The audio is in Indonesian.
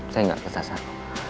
saya gak kesasar